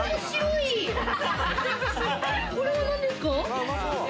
これは何ですか？